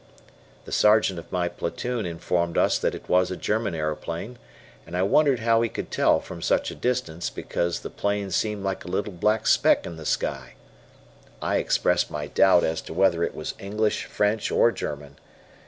The Sergeant of my platoon informed us that it was a German aeroplane and I wondered how he could tell from such a distance because the plane deemed like a little black speck in the sky. I expressed my doubt as to whether it was English, French, or German.